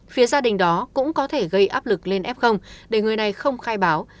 phía gia đình đó cũng có thể gây áp lực lên f để người này không khai báo